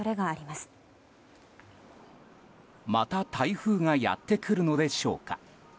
また台風がやってくるのでしょうか。